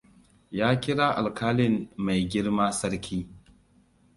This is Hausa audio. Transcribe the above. Ya kira alkalin 'Maigirma sarki'.